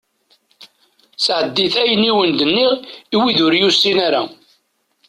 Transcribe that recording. Sɛeddi-t ayen i awen-d-nniɣ i wid ur d-yusin ara.